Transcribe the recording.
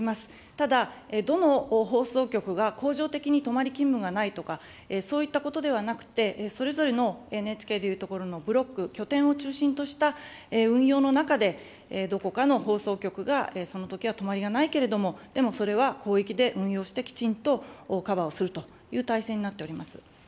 ただ、どの放送局が恒常的に泊まり勤務がないとか、そういったことではなくて、それぞれの、ＮＨＫでいうところのブロック、拠点を中心とした運用の中で、どこかの放送局がそのときは泊まりがないけれども、でもそれは広域で運用して、きちんとカバーをするという体制になっております。